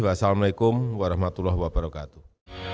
wassalamu'alaikum warahmatullahi wabarakatuh